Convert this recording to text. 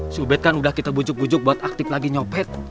subed kan udah kita bujuk bujuk buat aktif lagi nyopet